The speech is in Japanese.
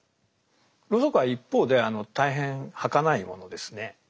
ロウソクは一方で大変はかないものですね。